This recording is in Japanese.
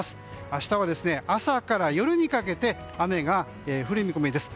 明日は朝から夜にかけて雨が降る見込みです。